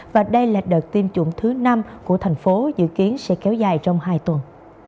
và đây là đợt tiêm chủng thứ năm của thành phố dự kiến sẽ kéo dài trong hai tuần